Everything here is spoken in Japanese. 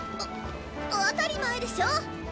あ当たり前でしょ！